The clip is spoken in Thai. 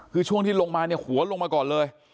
คือช่วงที่ลงมาเนี่ยหัวลงมาก่อนเลย